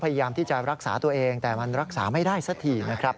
พยายามที่จะรักษาตัวเองแต่มันรักษาไม่ได้สักทีนะครับ